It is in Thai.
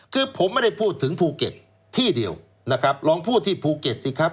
คือผมไม่ได้พูดถึงภูเก็ตที่เดียวนะครับลองพูดที่ภูเก็ตสิครับ